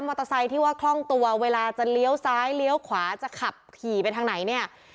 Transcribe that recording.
ที่ว่าคล่องตัวเวลาจะเลี้ยวซ้ายเลี้ยวขวาจะขับขี่ไปทางไหนเนี่ย